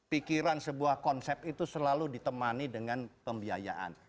pikiran sebuah konsep itu selalu ditemani dengan pembiayaan